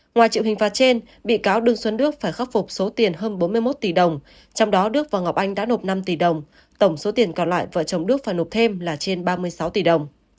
ngoài chịu hình phạt trên bị cáo đương xuân đức phải khắc phục số tiền hơn bốn mươi một tỷ đồng trong đó đức và ngọc anh đã nộp năm tỷ đồng tổng số tiền còn lại vợ chồng đức phải nộp thêm là trên ba mươi sáu tỷ đồng